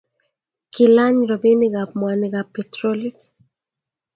kilany robinikab mwanikab petrolit.